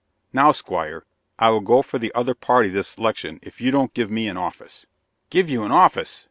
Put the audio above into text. Now, Squire, I will go for the other party this 'lection if you don't give me an office." "Give you an office!"